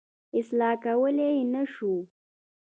اصلاح کولای یې نه شو.